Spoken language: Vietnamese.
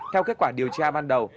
theo kết quả điều tra ban đầu